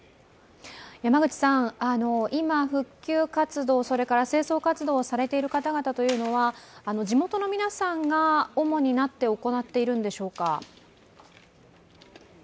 今、復旧活動それから清掃活動をされている方々というのは地元の皆さんが主になって行っているんでしょうか？